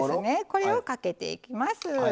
これをかけていきます。